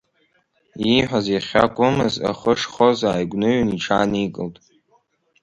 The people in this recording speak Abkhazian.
Ииҳәаз иахьакәымыз ахы шхоз ааигәныҩын, иҽааникылт.